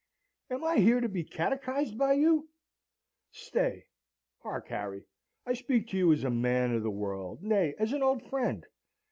'Am I here to be catechised by you? Stay. Hark, Harry! I speak to you as a man of the world nay, as an old friend.